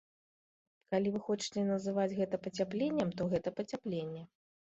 Калі вы хочаце называць гэта пацяпленнем, то гэта пацяпленне.